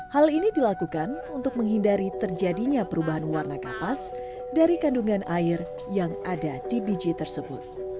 hal ini dilakukan untuk menghindari terjadinya perubahan warna kapas dari kandungan air yang ada di biji tersebut